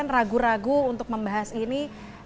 ragu ragu untuk membahas ini